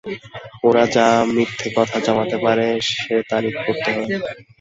ওরা যা মিথ্যে কথা জমাতে পারে সে তারিফ করতে হয়।